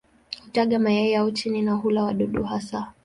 Hutaga mayai yao chini na hula wadudu hasa.